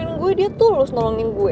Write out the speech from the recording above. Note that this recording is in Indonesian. kira kira dia tulus nolongin gue